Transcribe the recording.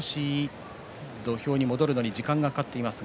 土俵に戻るのに時間がかかっています。